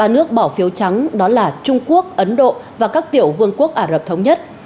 ba nước bỏ phiếu trắng đó là trung quốc ấn độ và các tiểu vương quốc ả rập thống nhất